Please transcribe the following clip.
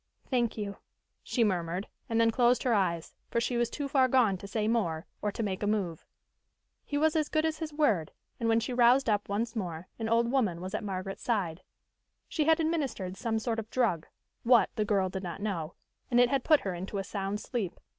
"Thank you," she murmured, and then closed her eyes, for she was too far gone to say more, or to make a move. He was as good as his word, and when she roused up once more an old woman was at Margaret's side. She had administered some sort of drug what, the girl did not know and it had put her into a sound sleep.